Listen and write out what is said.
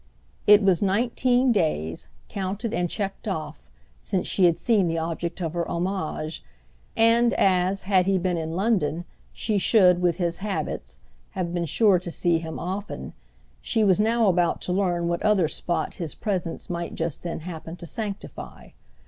It was nineteen days, counted and checked off, since she had seen the object of her homage; and as, had he been in London, she should, with his habits, have been sure to see him often, she was now about to learn what other spot his presence might just then happen to sanctify.